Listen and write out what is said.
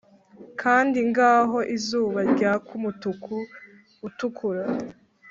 kandi ngaho izuba ryaka umutuku utukura,